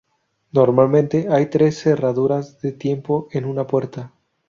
Normalmente hay tres cerraduras de tiempo en una puerta.